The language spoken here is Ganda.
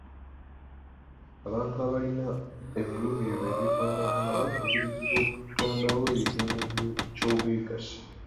Abantu abalina ebiruubirirwa ebifaanagana bakubirizibwa okutondawo ebibiina ky'obwegassi.